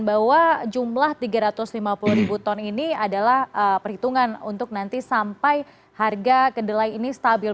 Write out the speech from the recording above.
bahwa jumlah tiga ratus lima puluh ribu ton ini adalah perhitungan untuk nanti sampai harga kedelai ini stabil